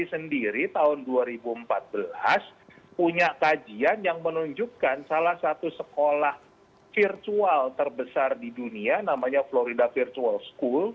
sendiri tahun dua ribu empat belas punya kajian yang menunjukkan salah satu sekolah virtual terbesar di dunia namanya florida virtual school